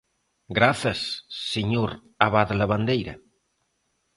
Grazas, señor Abade Lavandeira.